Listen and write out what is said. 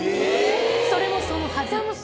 それもそのはず。